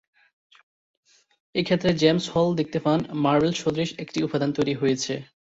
এক্ষেত্রে জেমস হল দেখতে পান মার্বেল সদৃশ একটি উপাদান তৈরি হয়েছে।